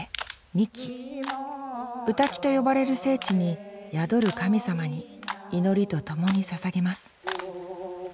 「御嶽」と呼ばれる聖地に宿る神様に祈りとともにささげます